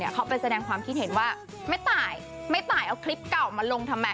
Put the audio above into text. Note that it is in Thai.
เขาไปแสดงความคิดเห็นว่าไม่ตายไม่ตายเอาคลิปเก่ามาลงทำไม